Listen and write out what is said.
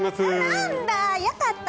何だよかった！